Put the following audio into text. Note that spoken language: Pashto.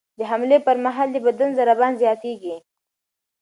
د حملې پر مهال د بدن ضربان زیاتېږي.